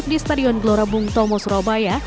di stadion gelora bung tomo surabaya